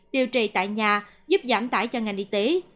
điều trị tại nhà giúp giảm tải cho ngành y tế